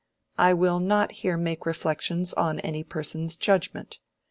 I will not here make reflections on any person's judgment.